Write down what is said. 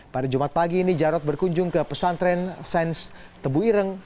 pada jumat pagi ini jarod berkunjung ke pesantren sains tebuireng